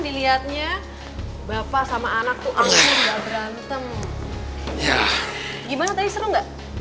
gimana tadi seru gak